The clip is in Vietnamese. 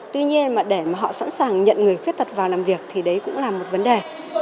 tuy nhiên mà để mà họ sẵn sàng nhận người khuyết tật vào làm việc thì đấy cũng là một vấn đề